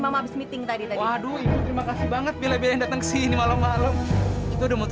kami berkorban di antara kita jadi rakyat